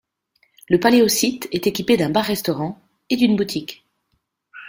Le Paléosite est équipé d'un bar-restaurant et d'une boutique.